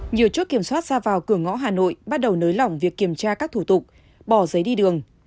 nhiều chốt kiểm soát ra vào cửa ngõ hà nội bắt đầu nới lỏng việc kiểm tra các thủ tục bỏ giấy đi đường